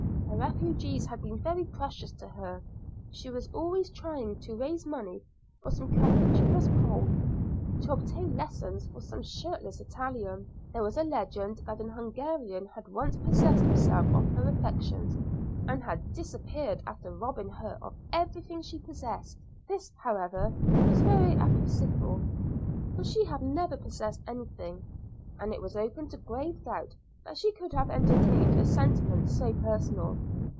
Her refugees had been very precious to her; she was always trying to raise money for some cadaverous Pole, to obtain lessons for some shirtless Italian. There was a legend that an Hungarian had once possessed himself of her affections, and had disappeared after robbing her of everything she possessed. This, however, was very apocryphal, for she had never possessed anything, and it was open to grave doubt that she could have entertained a sentiment so personal.